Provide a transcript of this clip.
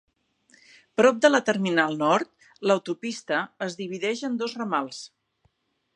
Prop de la terminal nord, l"autopista es divideix en dos ramals.